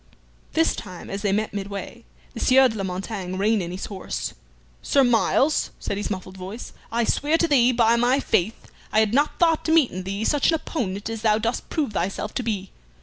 This time as they met midway the Sieur de la Montaigne reined in his horse. "Sir Myles," said his muffled voice, "I swear to thee, by my faith, I had not thought to meet in thee such an opponent as thou dost prove thyself to be.